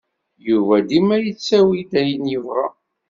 Yuba dima yettawi-d ayen yebɣa.